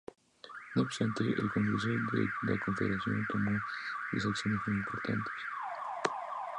No obstante, el Congreso de la Confederación tomó dos acciones muy importantes.